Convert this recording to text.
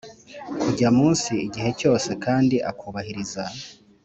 Kujya munsi igihe cyose kandi akubahiriza